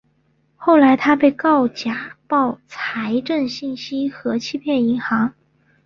后来他被告假报财政信息和欺骗银行。